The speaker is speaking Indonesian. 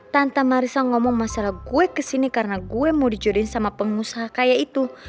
tante marissa ngomong masalah gue kesini karena gue mau dijodohin sama pengusaha kaya itu